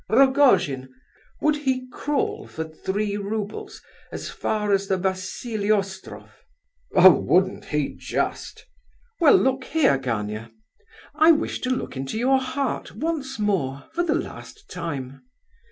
Rogojin, would he crawl for three roubles as far as the Vassiliostrof?" "Oh, wouldn't he just!" "Well, look here, Gania. I wish to look into your heart once more, for the last time.